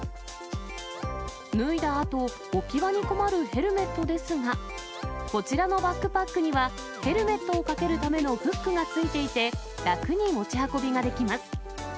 脱いだあと、置き場に困るヘルメットですが、こちらのバックパックには、ヘルメットをかけるためのフックが付いていて、楽に持ち運びができます。